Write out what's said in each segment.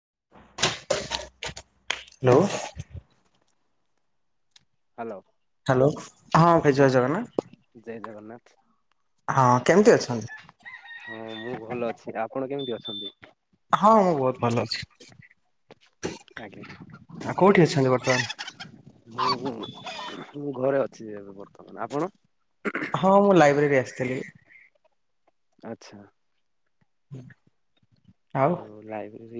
Hello. Hello. Hello ହଁ ଭାଇ ଯୟ ଜଗନ୍ନାଥ [unintelligible] ହଁ କେମିତି ଅଛନ୍ତି? ହଁ ମୁଁ ଭଲ ଅଛି ଆପଣ କେମିତି ଅଛନ୍ତି? ହଁ ମୁଁ ବହୁତ ଭଲ ଅଛି। ଆଜ୍ଞା ହୁଁ ଆଉ କୋଉଠି ଅଛନ୍ତି ବର୍ତ୍ତମାନ? ହୁଁ। ମୁଁ ଘରେ ଅଛି ଏ ବର୍ତ୍ତମାନ ଆପଣ? ହଁ ମୁଁ ଲାଇବ୍ରେରୀ ଆସିଥିଲି। ଆଚ୍ଛା। [inaudible] ଆଉ? ହଉ ଲାଇ ସେ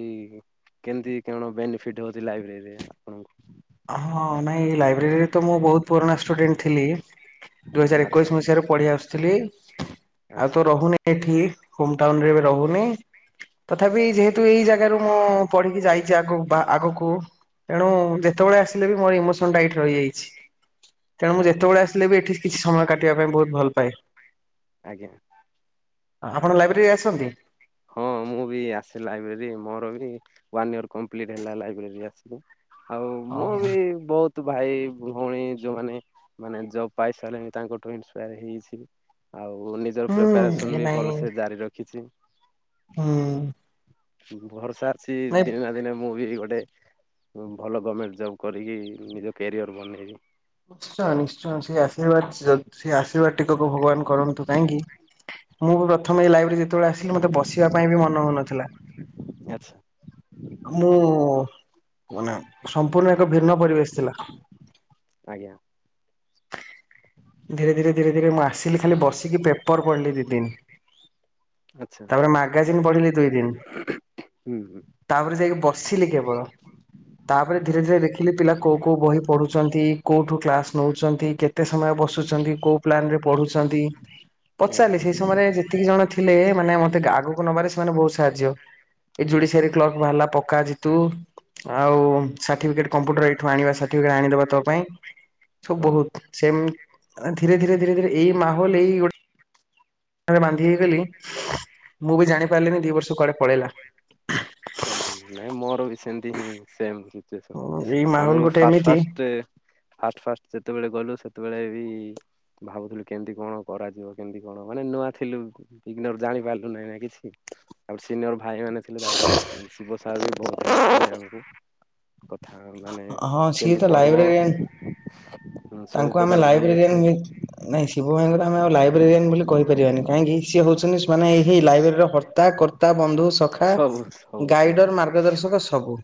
କେମିତି କଣ ବେନିଫିଟ ହଉଛି ଲାଇବ୍ରେରୀରେ ଆପଣଙ୍କୁ? ହଁ ନାଇଁ ଲାଇ ବେରୀରେ ତ ମୁଁ ବହୁତ ପୁରୁଣା ଷ୍ଟୁଡେଣ୍ଟ ଥିଲ ଦୁଇହଜାର ଆଚ୍ଛା ଏକୋଇଶ ମସିହାରେ ପଢଆ ଆ ଥିଲି ଆଉ ଆଚ୍ଛା ତ ରହୁନି ଏଠି ହୋମ ଟାଉନ୍ ରେ ଏବେ ରହୁନି ତଥାପି ଯେହେତୁ ଏଇ ଜାଗାରୁ ମୁଁ ପଢିକି ଯାଇଛି ଆଗକୁ ବା ଆଗକୁ ତେଣୁ ଦେ ସେତେବେଳେ ଆସିଲେ ବି ମୋର ଇମୋସନ ଟାଇଟ୍ ରହିଯାଇଛି। ତେଣୁ ମୁଁ ଆଜ୍ଞା ଯେତେବେଳେ ଆଜ୍ଞା ଆସିଲେ ବି ଏଠି କିଛି ସମୟ କାଟିବା ପାଇଁ ବହୁତ ଭଲ ପାଏ। ଆଜ୍ଞା ଆପଣ ଲାଇବ୍ରେରୀରେ ଆସନ୍ତି? ହଁ ମୁଁ ବି ଆସେ ଲାଇବ୍ରେରୀ ମୋର ବି ୱାନ ଇୟର କପ୍ଲିଟ ହେଲା ଲାଇବ୍ରେରୀ ଆସ ଆଉ ମୁଁ ଓହୋ ବି ବହୁତ ତୁ ଭାଇ ଭଉଣୀ ଯୋଉମାନୋନ ମାନେ ଜବ ପାଇସାରିଲେଣି ତାଙ୍କଠୁ ଇନ୍ସପାୟାର ହେଇଛି। ଆଉ ନିଜର ହୁଁ ଏ ପ୍ରିପାରେସନ୍ ବି ନାଇଁ ଭଲସେ ଜାରି ରଖିଛି। ହୁଁ ଘର ସାର୍ ସେ ନାଇଁ ଦିନ ଦିନ ମୁଁ ବି ଗୋଟେ ଭଲ ଗଭର୍ଣ୍ଣମେଣ୍ଟ ଜବ୍ କରିକି ନିଜ କ୍ୟାରିଅର୍ ବନେଇବି। ନିଶ୍ଚୟ ନିଶ୍ଚୟ ସେଇ ଆଶୀର୍ବାଦ ଜଲଦ ସେ ଆଶୀର୍ବାଦ ଟିକକୁ ଭଗବାନ କରନ୍ତୁ କାହିଁକି? ମୁଁ ପ୍ରଥମେ ଲାଇଭ ଯେତେବେଳେ ଆସିଲି ମତେ ବସିବା ପାଇଁ ବି ମନ ହଉନଥିଲା। ଆଚ୍ଛା ମୁଁ ମାନେ ସମ୍ପୂର୍ଣ୍ଣ ଏକ ଭିନ୍ନ ପରିବେଶ ଥିଲା। ଆଜ୍ଞା ଧୀରେ ଧୀରେ ଧୀରେ ଧୀରେ ମୁଁ ଆସିଲି ଖାଲି ବସିକି ପେପର ପଢିଲି ଦି ଦିନ ଆଚ୍ଛା ତାପରେ ମାଗାଜିନ୍ ପଢିଲି ଦୁ ଦିନ ହୁଁ ହୁଁ ତାପରେ ଯାଇକି ବସିଲି କେବଳ ତାପରେ ଧୀରେ ଧୀରେ ଦେଖିଲି ପିଲା କୋଉ କୋଉ ବହି ପଢୁଛନ୍ତି କୋଉଠୁ କ୍ଲାସ ନେଉଛନ୍ତି କେତେ ସମୟ ବସ ଛନ୍ତି କୋପ୍ ପ୍ରେ ପଢୁଛନ୍ତି ପଚାରିଲ ଆଜ୍ଞା ସେଇ ସମୟରେ ଯେତିକି ଜଣ ଥିଲେ ମାନେ ମତେ ଆଗକୁ ନବାରେ ସେମାନେ ବହୁତ ସାହାଯ୍ୟ ଏ ଯୁଡି ସାରି କ୍ଲକ୍ ବାହାରିଲା ପକ୍କା ଜିତୁ ଆଉ ସାର୍ଟିଫିକେଟ୍ କମ୍ପ୍ୟୁଟର ଏଇଠୁ ଆଣିବା ସାର୍ଟିଫିକେଟ୍ ଆଣିଦେବା ତ ପାଇଁ ସବୁ ହଁ ବହୁତ ସେମ୍ ଧୀରେ ଧୀରେ ଧୀରେ ଧୀରେ ଏଇ ମାହୋଲ ଏଇ ଗୋଟେ ବାନ୍ଧି ହେଇଗଲି ମୁଁ ବି ଜାଣି ପାରିଲିନି ଦି ବର୍ଷ କୁଆଡେ ପଳେଇଲା। ହୁଁ ହୁଁ ନାଇଁ ମୋର ବି ସେମିତି ହିଁ ସେମ ଏଇ ଆମେ ମାହୋଲ ଗୋଟେ ଫ ଫା ଏମିତି ଫ ଫ ଯେତେବେଳେ ଗଲୁ ସେତେବେଳେ ବି ଭାବୁଥିଲୁ କେମିତି କଣ କରାଯିବ କେମତି କଣ ମାନେ ନୂଆ ଥିଲୁ ବିଗର ଜାଣି ପାରିଲୁ ନାହିଁ ନା କିଛି ଆ ସିନିୟର ଭାଇ ମାନେ ଥିଲେ ତାପରେ ଶିବ ସାର୍ ବି ବହୁତ ହେଲ୍ପ କଲେ ଆମକୁ କଥା ମାନେ ହଁ ସିଏ କେମିତି ତ ପଢ଼ିବ ଲାଇବ୍ରେରିଆନ୍ ସବୁ ତାଙ୍କୁ ଆମେ ପ୍ରକାର ବହି ଲାଇବ୍ରେରିଆନ୍ ଏଠି ନାଇଁ ଶିବ ଭାଇଙ୍କର ଆମେ ଆଉ ଲାଇବ୍ରେରିଆନ୍ ବୋଲି କହିପାରିବାନି କାହିଁକି ସିଏ ହଉଛନ୍ତି। ମାନେ ସେଇ ଲାଇବ୍ରେରୀର କର୍ତ୍ତା କର୍ତ୍ତା ବନ୍ଧୁ ସଖା ସବୁ ସବୁ ସବୁ ଗାଇଡର ମାର୍ଗଦର୍ଶକ ସବୁ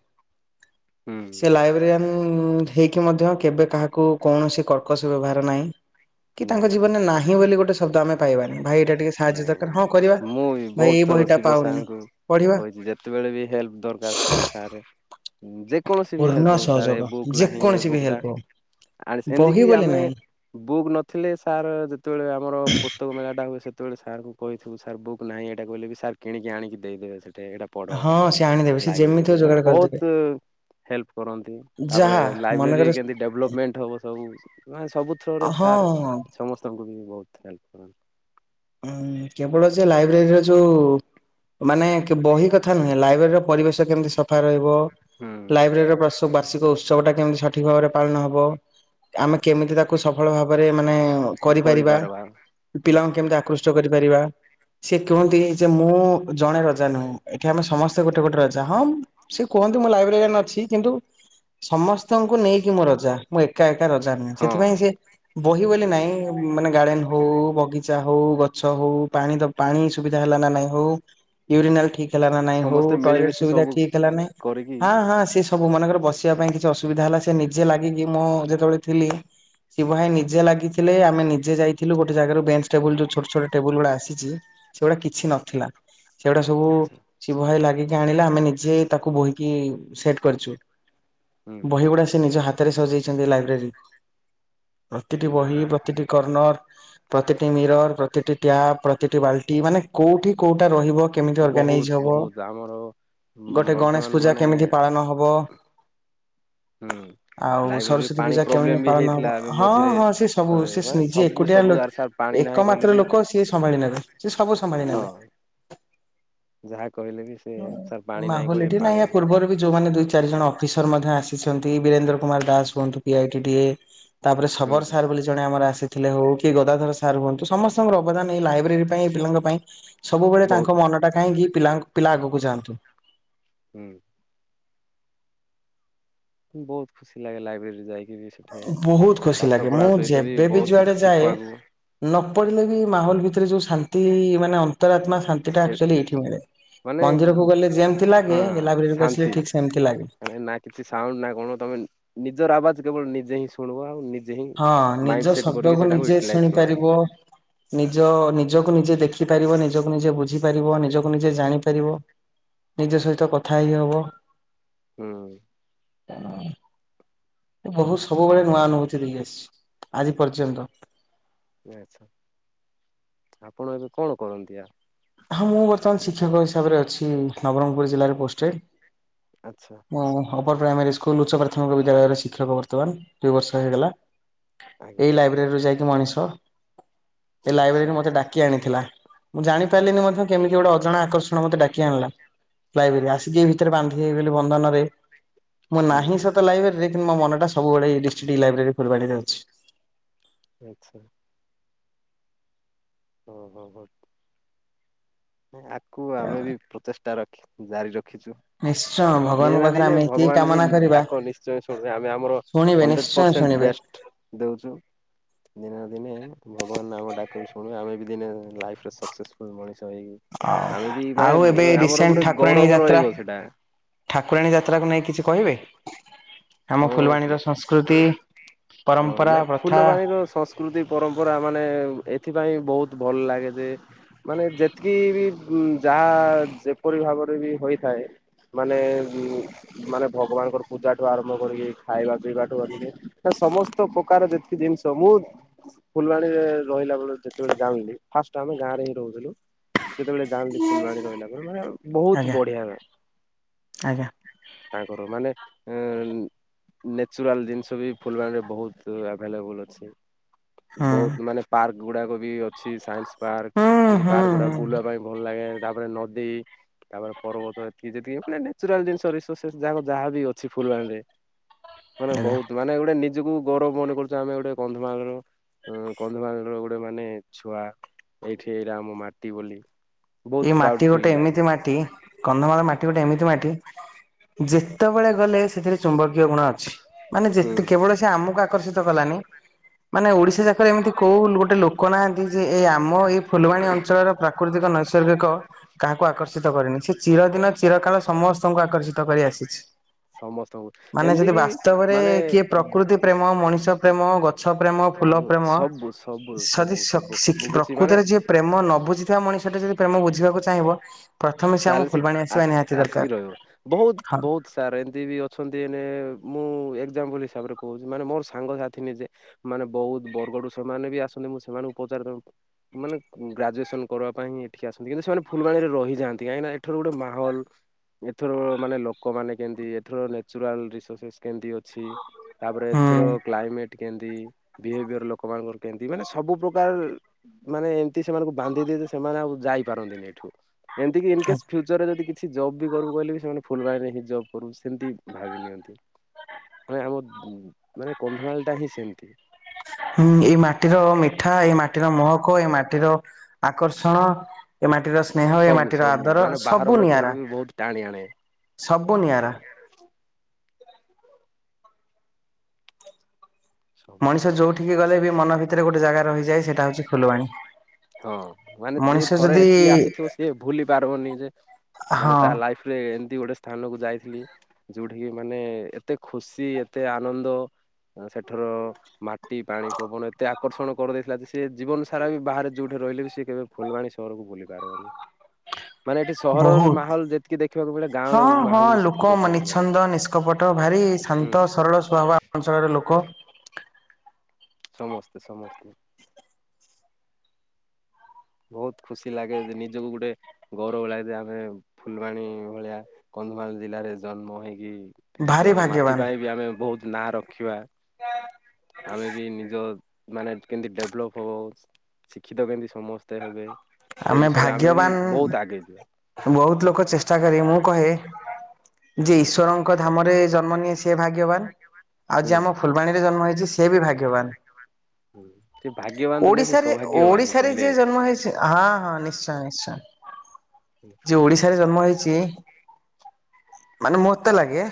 ହୁଁ ସେ ଲାଇବ୍ରେରିଆନ ଉ ହେଇକି ମଧ୍ୟ କେବେ କାହାକୁ କୌଣସି କର୍କସ ବ୍ୟବହାର ନାହିଁ। କି ତାଙ୍କ ନାଇଁ ନାଇଁ ଜୀବନରେ ନାହିଁ ବୋଲି ଗୋଟେ ଶବ୍ଦ ଆମ ପାଇବାନି। ଭାଇ ଏଇଟା ଟିକେ ସାହାଯ୍ୟ ଦରକାର ହଁ କରିବା। ନାଇଁ ମୁଁ ଭାଇ ବହୁତ ଏଇ ଥର ବହିଟା ଶିବ ପାଉନି ସାଙ୍ଗଙ୍କୁ ପଢିବା କହିଛି ଯେତେବେଳେ ବି ହେଲ୍ପ ଦରକାର ସାରେ ଁ ଯେ କୌଣସି ବି ପୂର୍ଣ୍ଣ ହେଲ୍ପ ହଉ ସାର୍ ଏ ସହଯୋଗ ବୁକ୍ ନାହିଁ ଏ ଯେକୌଣସି ବି ବୁକ୍ ଟା ହେଲ୍ପ ହଉ ଆ ବହି ଏମିତିକି ବୋଲି ଆମେ ନାହିଁ। ବୁକ୍ ନଥିଲେ ସାର୍ ଯେତେବେଳେ ଆମର ପୁସ୍ତକ ମେଳାଟା ହୁଏ ଯେତେବେଳେ ସାର୍ଙ୍କୁ କହିିବ ସାର୍ ବୁକ୍ ନାହିଁ ଏଇଟା କହେ ସାର୍ କିିକି ଆଣିକି ଦେଇଦେବେ ସେଠା ଗଟେ ଏଇଟା ପଢ ହଁ ସେ ଆଣିଦେବେ ସେ ଲାଇବ୍ରେରୀ ଯେମିତି ହଉ ଦେ ମାନେ ଯୋଗାଡ଼ କରିଦେବେ ବହୁତ ହେଲ୍ପ କରନ୍ତି ତାପରେ ଯାହା ମନେକର ଲାଇବ୍ରେରୀ କେମିତି ଡେଭଲପମେଣ୍ଟ ହବ ସବୁ ମାନେ ସବୁ ଥ୍ରୋରେ ସାର୍ ହଁ ସମସ୍ତଙ୍କୁ ବି ବହୁତ ଖଲ କର [inaudible] କେବଳ ଯେ ଲାଇବ୍ରେରୀର ଯୋଉ ମାନେ ବହି କଥା ନୁହେଁ ଲାଇବ୍ରେରୀର ପରିବେଶ କେମିତି ସଫା ରହିବ। ହୁଁ ଲାଇବ୍ରେରୀର ପ୍ରଶ ବୁ ବାର୍ଷିକ ଉତ୍ସବ ଟା କେମିତି ସଠିକ ଭାବରେ ପାଳନ ହବ ଆମେ କେମିତି ତାକୁ ସଫଳ ଭାବରେ ମାନେ କରିପାରିବା କରିପାରବା ପିଲା କେମତା ଆକୃଷ୍ଟ କରିପାରିବା ସେି କୁହନ୍ତି ଯେ ମୁଁ ଜଣେ ରଜା ନୁହେଁ ଏଠି ଆମେ ସମସ୍ତେ ଗୋଟେ ଗୋଟେ ରଜା ହଁ ସେ କୁହନ୍ତି ମୁଁ ଲାଇବ୍ରେରୀଆରେ ଅଛି କିନ୍ତୁ ସମସ୍ତ ତମଙ୍କୁ ନେଇକି ମୁଁ ରଜା। ମୁଁ ଏକା, ରଜା ନୁହେଁ ସେଥିପାଇଁ ହଁ ସେ ବହି ବୋଲି। ନଁ ମାନେ ଗାଡେନ ହଉ ବଗିଚା ହ ହଉ ଗଛ ହଉ ପାଣି ତ ପାଣି ସୁବିଧା ହେଲା ନା ନାଇଁ ହଉ ୟୁରିନାଲ ଠିକ୍ ହେଲା ନାଇଁ ହଉ ସମସ୍ତେ ଟଏଲେଟ ମିଳିମିଶି ସୁବିଧା ସବୁ ଠିକ ହେଲା ନାଇଁ କରିକି ହାଁ ହାଁ ସେ ସବୁ ମାନଙ୍କର ବସିବା ପାଇଁ କିଛି ଅସୁବିଧା ହେଲା ସେ ନିଜେ ଲାଗିକି ମୁଁ ଯେତେବେଳେ ଥିଲି ଶିବ ଭାଇ ନିଜେ ଲାଗିଥିଲେ ଆମେ ନିଜେ ଯାଇଥିଲୁ ଗୋଟେ ଜାଗାରୁ ବେଞ୍ଚ୍ ଟେବୁଲ୍ ଯୋଉ ଛୋଟ ଛୋଟ ଟେବୁଲ୍ ଗୁଡା ଆସିଛି ସେଗୁଡା କିଛି ନଥିଲା। ସେଗୁଟା ସବୁ ଆଚ୍ଛା। ଶିବ ଭାଇ ଲାଗି ଜାଣିଲା ଆମେ ନିଜେ ତାକୁ ବୋହିକି ସେଟ୍ କରିଛୁ। ହୁଁ ହୁଁ ବହିଗୁଡ଼ା ସେ ନିଜ ହାତ୍ ରେ ସଜେଇଛନ୍ତି ଲାଇବ୍ରେରୀ। ପ୍ରତିଟି ବହି ହୁଁ ହୁଁ ପ୍ରତିଟି କର୍ଣ୍ଣର୍ ପ୍ରତି ଟି ମିରର୍ ପ୍ରତିଟି ଟ୍ୟାପ୍ ପ୍ରତିଟି ବାଲ୍ଟି ମାନେ କୋଉଠି କୋଉଟା ରହିବ। କେମିତି ବହୁତ ଅର୍ଗାନାଇଜ ହବ ବହୁତ ଆମର ଗୋଟେ ଗଣେଶ ବର୍ତ୍ତମାନ ପୂଜା ମାନେ କେମିତି ପାଳନ ହବ ହୁଁ ଆଉ ଲାଇବ୍ରେରୀରେ ସରସ୍ଵତୀ ପାଣି ପୂଜା ପ୍ରୋବ୍ଲେମ କେମତି ବି ପାଳନ ହବ ହେଇଥିଲା ଏବେ ହଁ ମଝିରେ ହଁ ସେ ସବୁ ଥରେ ସେ ମାନେ ନିଜେ ସବୁ ଏକୁଟିଆ ସବୁ ଜାଗାରେ ସାର୍ ପାଣି ନାହିଁ କହିଲେ ଏକମାତ୍ର ବି ଲୋକ ସିଏ ସମ୍ଭାଳି ନେବେ ସିଏ ସବୁ ସମ୍ଭାଳି ନେବେ। ହଁ ଯାହା କହିଲେ ବି ସେ ସାର୍ ଉଁ ପାଣି ନାହିଁ ମାହୋଲ କହିଲେ ଏଠି ପାଣି ନାଇଁ ପୂର୍ବରୁ ବି ଯୋଉମାନେ ଦୁଇ ଚାରି ଜଣ ଅଫିସ୍ ମଧ୍ୟ ଆସିଛନ୍ତି ବୀରେନ୍ଦ୍ର କୁମାର ଦାସ ହୁଅନ୍ତୁ ପିଆଇଟିଟିଏ। ତାପରେ ଶବର ହୁଁ ହୁଁ ସାର୍ ବୋଲି ଜଣେ ଆମର ଆସି ଥିଲେ ହଉ କିଏ ଗଦାଧର ସା ସାର୍ ହୁଅନ୍ତୁ ସମସ୍ତଙ୍କର ଅବଦାନ ଏଇ ଲାଇବ୍ରେରୀ ପାଇଁ ପିଲାଙ୍କ ପାଇଁ। ସବୁବେଳେ ତାଙ୍କ ବହୁତ ମନଟା କାହିଁକି ପିଲାକ୍ ପିଲା ଆଗକୁ ଯାଆନ୍ତୁ। ହୁଁ। ବହୁତ୍ ଖୁସି ଲାଗେ ଲାଇବ୍ରେରୀ ଯାଇକି। ବି ସେଠି ବହୁତ୍ ଖୁସି ପାଠ ଲାଗେ ପଢା ମୁଁ ସହିତ ଯେବେ ବି ବହୁତ କିଛି ଯୁଆଡେ ଯାଏ ଶିଖିବାକୁ ନପ୍ ପଡ଼ିଲେ ବି ମାହୋଲ ଭିତରେ ଯେଉଁ ଶାନ୍ତି ମାନେ ଅନ୍ ସେ ମାନେ ମନ୍ଦିରକୁ ଗଲେ ଯେମିତି ହଁ ଲାଗେ ଲାଇବ୍ରେରୀକୁ ଆସିଲେ ଶାନ୍ତି ଠିକ ସେମିତି ଲାଗେ। ମ ନା କିଛି ସାଉଣ୍ଡ ନା କଣ ତମେ ନି [unintelligible] ନିଜର ଆବାଜ କେବଳ ନିଜେ ହିଁ ଶୁଣିବ ଆଉ ନିଜ୍ ହଁ ନିଜ ଶବ୍ଦକୁ ନିଜେ ୟୁଟିଲାଇଜ ଶୁଣି କରିବ ପାରିବ ନିଜ ନିଜକୁ ନିଜେ ଦେଖ୍ ଦେଖିପାରିବ ନିଜକୁ ନିଜେ ବୁଝିପାରିବ ନିଜକୁ ନିଜେ ଜାଣିପାରିବ ନିଜ ସହିତ କଥା ହେଇ ହବ। ହୁଁ। ହ [unintelligible] ବହୁ ସବୁବେଳେ ନୂଆ ଅନୁଭୂତି ଦେଇ ଆସିଛି ଆଜି ପର୍ଯ୍ୟନ୍ତ। ଏ ଆଚ୍ଛା ଆପଣ ଏବେ କଣ କରନ୍ତି ଆ ହଁ ମୁଁ ବର୍ତ୍ତମାନ ଶିକ୍ଷକ ହିସାବରେ ଅଛି ନବରଙ୍ଗପୁର ଜିଲ୍ଲାରେ ପୋଷ୍ଟେଡ୍। ଆଚ୍ଛା। ଅପର ପ୍ରାଇମୋରୀ ସ୍କୁଲ ଉଚ୍ଚ ପ୍ରାଥମିକ ବିଦ୍ୟାଳୟର ଶିକ୍ଷକ ବର୍ତ୍ତମାନ ଦୁଇ ବର୍ଷ ହେଇଗଲା। ଆଜ୍ଞା ଏଇ ଲାଇବ୍ରେରୀରୁୁ ଯାଇକି ମଣିଷ। ସେ ଆଚ୍ଛା ଲାଇବ୍ରେରୀରେ ମତେ ଆଚ୍ଛା ଡାକି ଆଣିଥିଲା ମୁଁ ଜାଣି [inaudible] ମଧ୍ୟ କେମିତି ଗୋଟେ ଅଜାଣା ଆକର୍ଷଣ ମୋତେ ଡାକି ଆଣିଲା ଲାଇବ୍ରେରୀ ଆସିକି ଏଇ ଭିତରେ ବାନ୍ଧି ହେଇଗଲି ବନ୍ଧନରେ ମୁଁ ହୁଁ ନାହିଁ ହୁଁ ସତ ଲାଇବ୍ରେରୀରେ ମୋ ମନଟା ସବୁବେଳେ [inaudible] ଡିଷ୍ଟିକ୍ଇ ଲାଇବ୍ରେରୀ ଖୋଲିଵାରେ ଅଛି ଆଚ୍ଛା ହ ହୋ ହୋ ହଁ ଆ କୁ ଆମେ ବି ପ୍ରତିଷ୍ଟା ରଖି ଜାରି ରଖିଛୁ ନିଶ୍ଚୟ ଦିନେ ଭଗବାନଙ୍କ ନା ପାଖରେ ଦିନେ ଆମେ ଏତିକି ଭଗବାନ ବି କାମନା କରିବା ଡାକ ନିଶ୍ଚୟ ଶୁଣିବେ ଆମେ ଆମର ଶୁଣିବେ ହଣ୍ଡ୍ରେଡ଼ ନିଶ୍ଚୟ ପରସେଣ୍ଟ ଶୁଣିବେ। ବେଷ୍ଟ ଦେଉଛୁ ଦିନେ ନା ଦିନେ ଭଗବାନ ଆମ ଡାକନ ବି ଶୁଣିବେ ଆମେ ବି ଦିନେ ଲାଇଫରେ ସକ୍ସେସଫୁଲ ମଣିଷ ହେଇ ହ ଆଉ ଏବେ ରିସେଣ୍ଟ ଗୋଟେ ଠାକୁରାଣୀ ଗୌରବ ରହିବ ଯାତ୍ରା ସେଟା ଠାକୁରାଣୀ ଯାତ୍ରାକୁ ନେଇ କିଛି କହିବେ ହ [inaudible] ହଁ ହଁ ପରମ୍ପରା ନାଇ ପ୍ରଥା ଫୁଲବାଣୀର ସଂସ୍କୃତି ପରମ୍ପରା ମାନେ ଏଥି ପାଇଁ ବହୁତ ଭଲ ଲାଗେ ଯେ ମାନେ ଯେତିକି ବି ଯାହା ଯେପରି ଭାବରେ ବି ହୋଇଥାଏ ମାନେ ମାନେ ଭଗବାନଙ୍କର ପୂଜାଠୁ ଆରମ୍ଭ କାମ କରିକି ଖାଇବା ପିଇବାଠୁ ଅଧିକେ ସମସ୍ତ ପ୍ରକାର ଯେତିକି ଜିନିଷ ମୁଁ ଫୁଲବାଣୀରେ ରହିଲା ବେଳ ଯେତେବେଳେ ଜାଣିଲି ଫାଷ୍ଟ ଆମେ ଗାଁ ରେ ହିଁ ରହୁଥିଲୁ ଯେତେବେଳେ ଜାଣନ୍ତି ଫୁଲବାଣୀ ରହିଲା ବେଳୁ ମାନେ ବହୁତ ଆଜ୍ଞା ବଢିଆ ଆଜ୍ଞା ତାଙ୍କର ମାନେ ହ ନେଚୁରାଲ ଜିନିଷ ବି ଫୁଲବାଣୀରେ ବହୁତ ଆଭେଲେବୁଲ ଅଛି ହୁଁ ବହୁତ ମାନେ ପାର୍କ ଗୁଡ଼ାକ ବି ଅଛି ସାଇନ୍ସ ପାର୍କ ହୁଁ ଏମିତି ହୁଁ ପାର୍କ ଗୁଡା ହୁଁ ବୁଲିବା ପାଇଁ ଭଲ ଲାଗେ ତାପରେ ନଦୀ ତାପରେ ପର୍ବତ ଏତିକି ଯେତିକି ମାନେ ନ୍ୟାଚୁରାଲ ଜିନିଷ ରିସୋର୍ସ ଯାକ ଯାହା ବି ଅଛି ଫୁଲବାଣୀରେ ମାନେ ଆଜ୍ଞା। ବହୁତ ମାନେ ଗୋଟେ ନି ନିଜକୁ ଗୌରବ ମନେ କରୁଛୁ ଆମେ ଗୋଟେ କନ୍ଧମାଳର କନ୍ଧମାଳର ଗୋଟେ ମାନେ ଛୁଆ ଏଇଠି ଏଇଟା ଆମ ମାଟି ବୋଲି ବହୁତ ଏଇ ପ୍ରାଉଡ ମାଟି ଫିଲ୍ ଗୋଟେ ଲାଗେ ଏମିତି ମାଟି କନ୍ଧମାଳ ମାଟି ମାଟି ଗୋଟେ ଏମିତି ମାଟି ଯେତେବେଳେ ଗଲେ ସେଥିରେ ଚୁମ୍ବକୀୟ ଗୁଣ ଅଛି। ମାନେ ହୁଁ ଯେତେ କେବଳ ସେ ଆମ କା ଆକର୍ଷିତ କଳାଣି ମାନେ ଓଡିଶା ରେ ଏମିତି କୋଉ ଗୋଟେ ଲୋକ ନାହାନ୍ତି। ଯେ ଏ ଆମ ଏଇ ଫୁଲବାଣୀ ଅଞ୍ଚଳର ପ୍ରାକୃତିକ ନ ଏକ କାହାକୁ ଆକର୍ଷିତ କରିନି ସେ ଚିରଦିନ ଚିର କାଳ ସମସ୍ତଙ୍କୁ ଆକର୍ଷିତ କରି ଆସିଛି। ସମସ୍ତଙ୍କୁ ମାନେ ଏମିତି ଯଦି କିି ବାସ୍ତବରେ ମାନେ କିଏ ପ୍ରକୃତି ପ୍ରେମ ମଣିଷ ପ୍ରେମ ଗ ଗଛ ପ୍ରେମ ଫୁଲ ଉଁ ପ୍ରେମ ସବୁ ସବୁ ସେ ସବୁ ଶିଖି ଯଦି କିଛି ମାନେ ପ୍ରକୃତରେ ଯିଏ ପ୍ରେମ ନ ବୁଝିଥିବା ମଣିଷଟା ଯେ ପ୍ରେମ ବୁଝିବାକୁ ଚାହିଁବ। ଆମ ତାହେଲେ ସେ ଫୁଲବାଣୀ ଆସିବା ଆସି ନିହାତି ଆସିକି ଦରକାର ରହିବ ବହୁତ ହଁ ବହୁତ ସାର୍ ଏମିତି ବି ଅଛନ୍ତି ନେ ମୁଁ ଏ ଏକ୍ଜାପଲ ହିସାବରେ କହୁଛି ମାନେ ମୋର ସାଙ୍ଗସାଥି ନିଜେ ମାନେ ବହୁ ବରଗଡରୁ ସେମାନେ ବି ଆସନ୍ତି ମୁଁ ସେମାନଙ୍କୁ ପଚାରେ ମାନେ ଗ୍ରାଜୁଏସନ କରିବା ପାଇଁ ହିଁ ଏଠି ଆସନ୍ତି କିନ୍ତୁ ସେମାନେ ଫୁଲବାଣୀରେ ରହିଯାଆନ୍ତି। କାହିଁକିନା ଏଠାର ଗୋଟେ ମାହୋଲ ଏଥର ମାନେ ଲୋକମାନେ କେମିତି ଏଥର ନ୍ୟାଚୁରାଲ ରିସୋର୍ସେସ୍ କେମିତି ଅଛି ତାପରେ ଏଥର କ୍ଲାଇମେଟ କେମିତି ବିହେଭିୟର ଲୋକମାନାନଙ୍କର କେମିତି ମାନେ ସବୁ ପ୍ରକାର ମାନେ ଏମତି ସେମାନଙ୍କୁ ବାନ୍ଧିଦିଅନ୍ତି ଯେ ସେମାନେ ଆଉ ଯାଇପାରନ୍ତିନି ଏଠୁ ଏମିତି କି ଇନ୍ ହୁଁ। କେସ୍ ଫ୍ୟୁଚର ଯଦି କିଛି ଜବ୍ ବି କରିବୁ କହିଲେ ବି ସେମାନେ ଫୁଲବାଣରେ ହିଁ ଜବ୍ କରିବୁ ସେମିତି ଭାବି ନିଅନ୍ତି ମାନେ ଆମ ମାନେ କନ୍ଧମାଳ ଟା ହିଁ ସେମିତି। ହୁଁ ଏଇ ମାଟିର ମିଠା ଏଇ ମା- ମାଟିର ମହକ ଏ ମାଟିର ଆକର୍ଷଣ ଏ ମା ମାଟିର ସ୍ନେହ ଏ ସବୁ ମାଟିର ସବୁ ଆଦର ମାନେ ବାହାର ସବୁ ଲୋକଙ୍କୁ ନିଆରା ବି ବହୁତ ଟାଣି ଆଣେ। ସବୁ ନିଆରା। ସବୁ ମଣିଷ ସବୁ ଯୋଉଠିକି ଗଲେ ବି ମନ ଭିତରେ ଗୋଟେ ଜାଗା ରହିଯାଏ ସେଇଟା ହଉଛି ଫୁଲବାଣୀ ହଁ ମାନେ ଯିଏ ମଣିଷ ଥରେ ଯଦି ଏଠିକି ଆସିଥିବ ସିଏ ଭୁଲି ପାରବନି ଯେ ମାନେ ହଁ ତା ଲାଇଫ ରେ ଏମିତି ଗୋଟେ ସ୍ଥାନକୁ ଯାଇଥିଲି। ଯୋଉଠିକି ମାନେ ଏତେ ଖୁସି ଏତେ ଆନନ୍ଦ ସେଠର ମାଟି ପାଣି ପବନ ଏତେ ଆକର୍ଷଣ କରିଦେଇଥିଲା ଯେ ସେ ଜୀବନ ସାରା ବି ବାହାରେ ଯୋଉଠି ରହିଲେ ବି ସେ କେବେ ଫୁଲବାଣୀ ସହରକୁ ଭୁଲି ପାରବନି ବହୁତ ମିଳେ ଗାଁର ହଁ ହଁ ମାହୋଲ ବି ସେତିକି ଲୋକ ଦେଖିବାକୁ ମିଳେ ମନିଛନ୍ଦ ନିଷ୍କପଟ ଭାରି ହୁଁ। ଶାନ୍ତ ସରଳ ସ୍ୱଭାବ ଅଞ୍ଚଳର ଲୋକ କହ ସମସ୍ତେ ସମସ୍ତେ ବହୁତ ଖୁସି ଲାଗେ ଯେ ନିଜକୁ ଗୁଟେ ଗୌରବ ଲାଗେ ଯେ ଆମେ ଫୁଲବାଣୀ ଭଳିଆ କନ୍ଧମାଳ ଜିଲ୍ଲାରେ ଜନ୍ମ ହେଇକି ନିଜ ଭାରି ମାଟି ଭାଗ୍ୟବାନ ପାଇଁ ବି ଆମେ ବହୁତ ନାଁ ରଖିବା ଆମେ ବି ନିଜ ମାନେ କେମିତି ଡେଭଲପ ହବ ଶିକ୍ଷିତ କେମିତି ସମସ୍ତେ [unintelligible] ସେ ଆମେ ବିଷୟରେ ବି ବହୁତ ଆଗେଇ ଯିବା ଭାଗ୍ୟବାନ ବହୁତ ଲୋ ଚେଷ୍ଟା କରି ମୁଁ କହେ ଯିଏ ଈଶ୍ୱଵରଙ୍କ ଧାମରେ ଜନ୍ମ ନିଏ ସିଏ ଭାଗ୍ୟବାନ। ଆଉ ହୁଁ। ଯିଏ ଆମ ଫୁଲବାଣୀରେ ଜନ୍ମ ହେଇଛି ସିଏ ବି ଭା ଯବାନ ସେ ଭାଗ୍ୟବାନ ତ ନାହିଁ ସେ ସୌଭାଗ୍ୟବାନ ଓଡିଶାରେ କହିଲେ ଯିଏ ଜନ୍ମ ହେଇଛି ହଁ ହଁ ନିଶ୍ଚୟ ନିଶ୍ଚୟ। ଯେ ଓଡିଶାରେ ଜନ୍ମ ହେଇଛି। ମାନେ ମୋତେ ଲାଗେ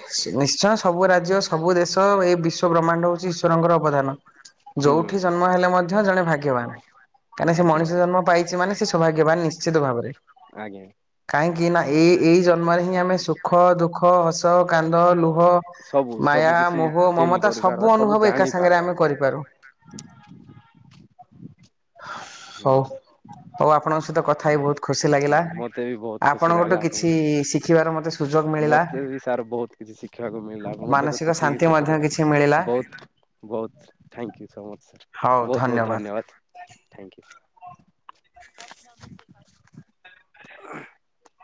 ନିଶ୍ଚୟ ସବୁ ରାଜ୍ୟ ସବୁ ଦେଶ ଏଇ ବିଶ୍ଵ ବ୍ରହ୍ମାଣ୍ଡ ହଉଛି ଈଶ୍ୱରଙ୍କର ଅବଦାନ ଯୋଉଠି ହୁଁ ଜନ୍ମ ହେଲେ ମଧ୍ୟ ଜଣେ ଭାଗ୍ୟବାନ କାହିଁକିନା ସେ ମଣିଷ ଭାଗ୍ୟବାନ ଜନ୍ମ ପାଇ ସେ ସୌଭାଗ୍ୟବାନ ନିଶ୍ଚିତ ଭାବରେ। ଆଜ୍ଞା କାହଁକି ନା ଏଇ ଏଇ ଜନ୍ମରେ ହିଁ ଆମେ ସୁଖ ଦୁଃଖ ହସ କାନ୍ଦ ଲୁହ ସବୁ ସବୁ ମାୟା କିଛି ମୋହ ଫିଲ୍ ମମତା କରିପାରିବା ସବୁ ଅନୁଭବ ଏକା ସାଙ୍ଗରେ ଜାଣିପାରିବା ଆମେ କରିପାରୁ ହଉ ହଉ ଆପଣଙ୍କ ସହିତ କଥା ହେଇ ବହୁତ ଖୁସି ଲାଗିଲା ମତେ ବି ବହୁତ ଖୁସି ଆପଣଙ୍କଠୁ ଲାଗିଲା କିଛି ଶିଖିବାର ମତେ ସୁଯୋଗ ଆପଣଙ୍କୁ ମିଳିଲା ମତେ ବି ସାର୍ ବହୁତ କିଛି ଶିଖିବାକୁ ମିଳିଲା ଆପଣଙ୍କ ସହିତ ମାନସିକ ଖୁସି ହେଇକି ଶାନ୍ତି ସତରେ ମଧ୍ୟ କିଛି ମିଳିଲା ବହୁତ ବହୁତ ଥ୍ୟାଙ୍କ ୟୁ ସୋ ମଚ ବହୁତ ବହୁତ ଧନ୍ୟବାଦ। Thank you. [inaudible] [inaudible]